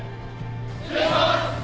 失礼します。